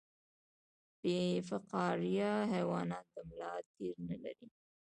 بې فقاریه حیوانات د ملا تیر نلري